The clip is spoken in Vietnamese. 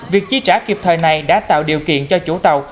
việc chi trả kịp thời này đã tạo điều kiện cho chủ tàu